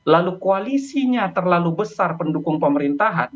lalu koalisinya terlalu besar pendukung pemerintahan